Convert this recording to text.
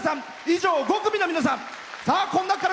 以上、５組の皆さん。